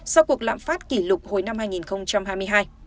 sau cuộc lạm phát kỷ lục hồi năm hai nghìn hai mươi hai